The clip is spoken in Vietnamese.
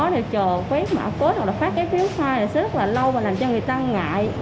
để chờ quét mã cốt hoặc là phát cái phiếu khai này sẽ rất là lâu và làm cho người ta ngại